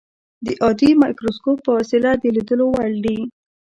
د عادي مایکروسکوپ په وسیله د لیدلو وړ دي.